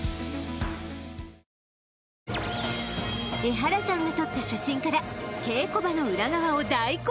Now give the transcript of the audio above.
エハラさんが撮った写真から稽古場の裏側を大公開